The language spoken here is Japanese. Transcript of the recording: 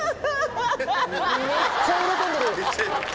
めっちゃ喜んでる。